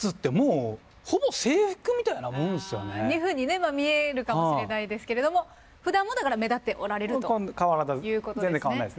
ふうに見えるかもしれないですけれどもふだんもだから目立っておられるということですね。